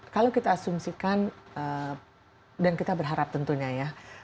kalau kita asumsikan dan kita berharap tentunya ya